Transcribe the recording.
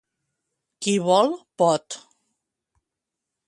Qui vol, pot.